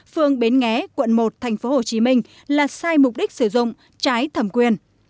phương bến nghé quận một tp hcm là sai mục đích sử dụng trái thẩm quyền